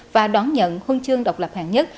và đón nhận huân chương độc lập hàng nhất